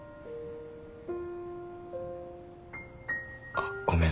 あっごめん。